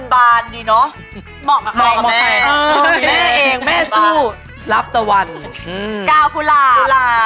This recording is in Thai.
เหมาะกับแม่แม่เองแม่สู้รับตะวันกาวกุหลาบ